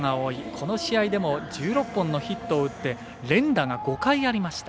この試合でも１６本のヒットを打って連打が５回ありました。